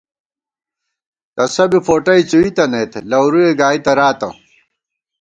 تسہ بی فوٹئ څُوئیتَنَئیت لَورُوئے گائی تراتہ